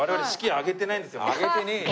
挙げてねえよ。